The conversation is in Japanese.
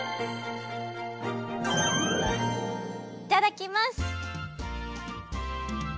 いただきます！